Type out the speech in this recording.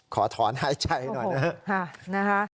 ขอถอนหายใจหน่อยนะฮะ